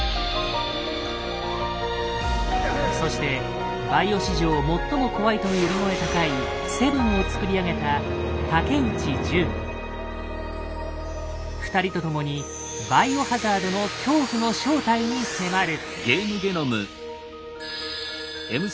そしてバイオ史上最も怖いと呼び声高い「７」を作り上げた２人と共に「バイオハザード」の恐怖の正体に迫る。